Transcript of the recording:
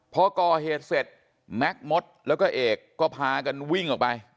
พอก่อเหตุเสร็จแม็กซ์มดแล้วก็เอกก็พากันวิ่งออกไป